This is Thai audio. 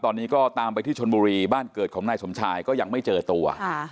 ตอนนี้ก็ตามไปที่ชนบุรีบ้านเกิดของนายสมชายก็ยังไม่เจอตัว